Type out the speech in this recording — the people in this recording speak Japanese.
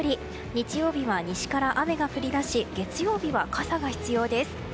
日曜日は西から雨が降り出し月曜日は傘が必要です。